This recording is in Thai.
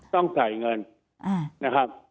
ต้องจ่ายเงินนะครับ